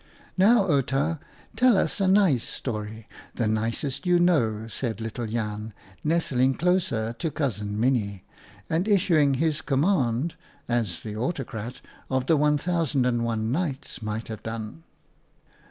" Now, Outa, tell us a nice story, the nicest you know," said little Jan, nestling closer to Cousin Minnie, and issuing his command as the autocrat of the " One Thousand and One Nights" might have done.